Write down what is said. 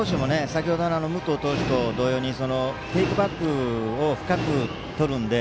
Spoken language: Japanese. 先ほどの武藤投手と同様にテイクバックを深くとるので。